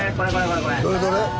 どれどれ？